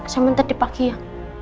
sementar di pagi ya